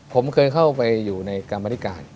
ผมเคยเข้าไปอยู่ในกรรมธิการ